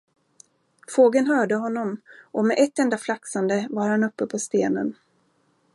Fågeln hörde honom, och med ett enda flaxande var han uppe på stenen.